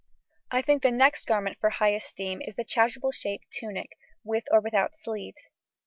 I think the next garment for high esteem is the chasuble shaped tunic (with or without sleeves).